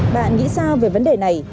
bạn nghĩ sao về vấn đề này